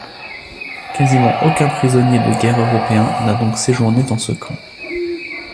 Quasiment aucun prisonniers de guerre européen n'a donc séjourné dans ce camp.